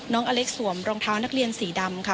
อเล็กสวมรองเท้านักเรียนสีดำค่ะ